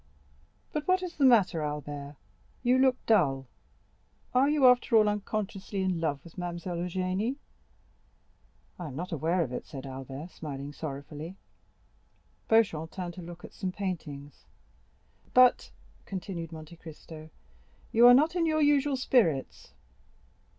But what is the matter, Albert? you look dull; are you, after all, unconsciously in love with Mademoiselle Eugénie?" "I am not aware of it," said Albert, smiling sorrowfully. Beauchamp turned to look at some paintings. "But," continued Monte Cristo, "you are not in your usual spirits?"